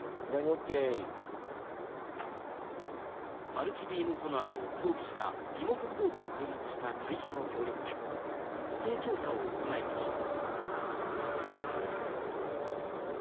マルチビームソナーを装備したリモコンボートを開発した会社の協力で湖底調査を行いました。